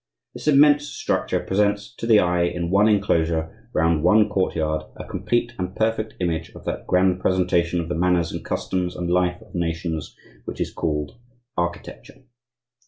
This immense structure presents to the eye in one enclosure, round one courtyard, a complete and perfect image of that grand presentation of the manners and customs and life of nations which is called Architecture.